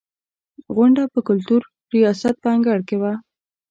غونډه په کلتور ریاست په انګړ کې وه.